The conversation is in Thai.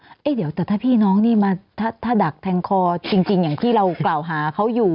เดี๋ยวแต่ถ้าพี่น้องนี่มาถ้าดักแทงคอจริงอย่างที่เรากล่าวหาเขาอยู่